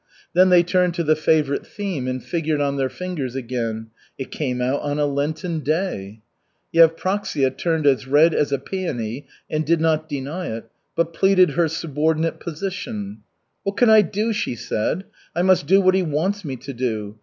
Then they turned to the favorite theme and figured on their fingers again it came out on a Lenten day! Yevpraksia turned as red as a peony and did not deny it, but pleaded her subordinate position. "What could I do?" she said. "I must do what he wants me to do.